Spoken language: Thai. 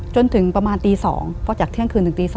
จนถึงประมาณตี๒เพราะจากเที่ยงคืนถึงตี๒